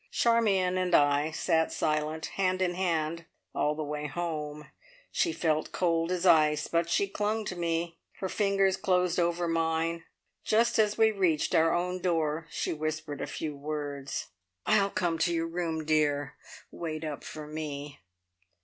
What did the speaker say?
Charmion and I sat silent, hand in hand, all the way home. She felt cold as ice, but she clung to me; her fingers closed over mine. Just as we reached our own door she whispered a few words. "I'll come to your room, dear. Wait up for me."